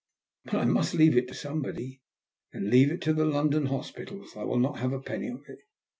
" But I must leave it to somebody/' Then leave it to the London hospitals. I will not have a penny of it.